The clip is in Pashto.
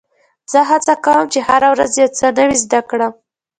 زه هڅه کوم، چي هره ورځ یو څه نوی زده کړم.